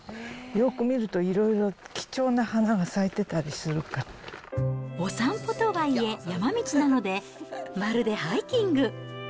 よく見るといろいろ貴重な花が咲お散歩とはいえ、山道なので、まるでハイキング。